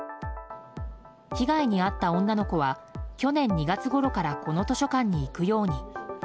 被害に遭った女の子は去年２月ごろからこの図書館に行くように。